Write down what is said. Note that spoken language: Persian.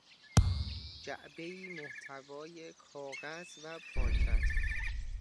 جعبه ای محتوی کاغذ و پاکت